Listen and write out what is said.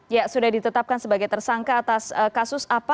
ya sudah ditetapkan sebagai tersangka atas kasus apa